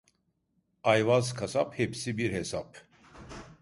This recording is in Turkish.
Ayvaz kasap hepsi bir hesap.